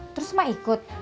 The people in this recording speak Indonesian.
terus emak ikut